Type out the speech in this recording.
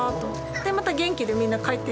でまた元気でみんな帰っていくから。